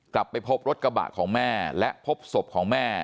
กลับไปพบรถกระบะของแม่และพบศพของแม่